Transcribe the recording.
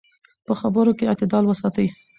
په خبرو کې اعتدال وساتئ.